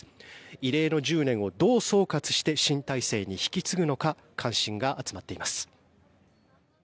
異例の１０年をどう総括して新体制に引き継ぐのか関心が集まっています。